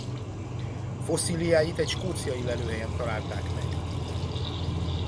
Fosszíliáit egy skóciai lelőhelyen találták meg.